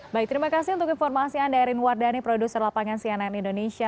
baik terima kasih untuk informasi anda erin wardani produser lapangan cnn indonesia